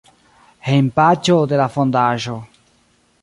Hejmpaĝo de la fondaĵo.